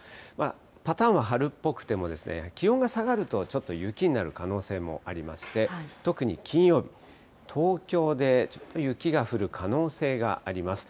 パターンは春っぽくても、気温が下がるとちょっと雪になる可能性もありまして、特に金曜日、東京でちょっと雪が降る可能性があります。